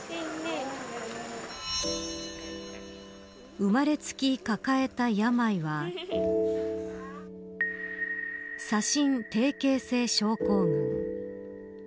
生まれつき抱えた病は左心低形成性症候群。